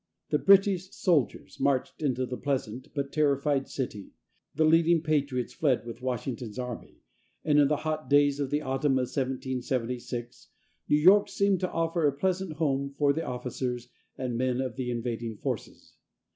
The British soldiers marched into the pleasant but terrified city, the leading patriots fled with Washington's army, and in the hot days of the autumn of 1776 New York seemed to offer a pleasant home for the officers and men of the invading forces.